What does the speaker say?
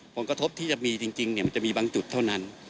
ผลกระทบที่จะมีจริงมันจะมีบางจุดเท่านั้น